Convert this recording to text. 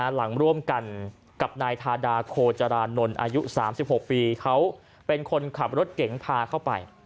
หลังร่วมกันกับนายทาดาโคจรานนท์อายุ๓๖ปีเขาเป็นคนขับรถเก๋งพาเข้าไป